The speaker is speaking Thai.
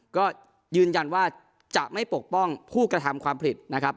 ก็ยืนยันว่าจะไม่ปกป้องผู้กระทำความผิดนะครับ